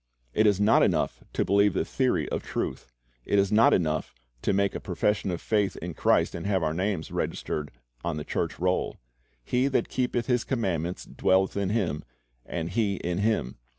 It is not enough to believe the theory of truth. It is not enough to make a profession of faith in Christ and have our names registered on the church roll. "He that keepeth His commandments dwelleth in Him, and He in him.